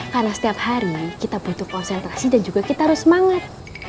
karena setiap hari kita butuh konsentrasi dan juga kita harus semangat